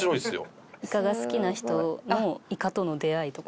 イカが好きな人のイカとの出会いとか。